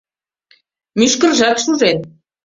Мӱшкыржат шужен.